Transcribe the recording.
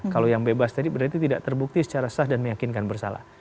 kalau yang bebas tadi berarti tidak terbukti secara sah dan meyakinkan bersalah